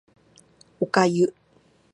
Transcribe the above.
お粥